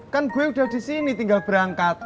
kan gue udah di sini tinggal berangkat